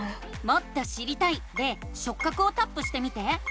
「もっと知りたい」で「しょっ角」をタップしてみて。